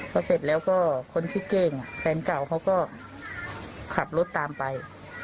พอเสร็จแล้วก็คนที่เก้งแฟนเก่าเขาก็ขับรถตามไป